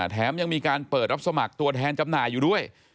แถมยังมีการเปิดรับสมัครตัวแทนจำหน่ายอยู่ด้วย